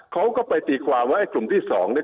เขาก็ไปตีความว่าไอ้กลุ่มที่สองเนี่ย